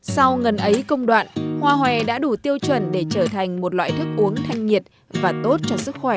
sau ngần ấy công đoạn hoa hòe đã đủ tiêu chuẩn để trở thành một loại thức uống thanh nhiệt và tốt cho sức khỏe